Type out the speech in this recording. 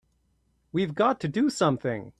We've got to do something!